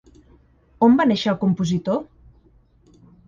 On va néixer el compositor?